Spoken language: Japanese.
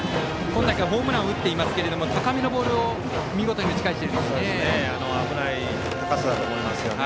今大会はホームランを打っていますけども高めのボールを見事に打ち返しているんですね。